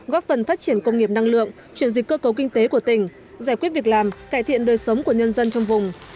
góp phần phát triển công nghiệp năng lượng chuyển dịch cơ cấu kinh tế của tỉnh giải quyết việc làm cải thiện đời sống của nhân dân trong vùng